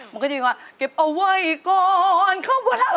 มันก็จะมีว่าเก็บเอาไว้ก่อนเข้ามาแล้ว